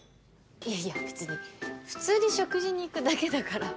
いやいや別に普通に食事に行くだけだから。